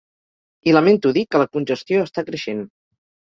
I lamento dir que la congestió està creixent.